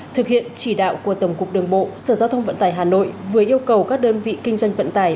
thực hiện chỉ đạo của tổng cục đường bộ sở giao thông vận tải hà nội vừa yêu cầu các đơn vị kinh doanh vận tải